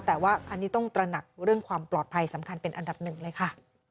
แต่ว่าอันนี้ต้องตระหนักเรื่องความปลอดภัยสำคัญเป็นอันดับหนึ่งเลยค่ะ